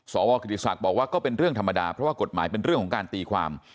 สวกิติศักดิ์บอกว่าก็เป็นเรื่องธรรมดาเพราะว่ากฎหมายเป็นเรื่องของการตีความ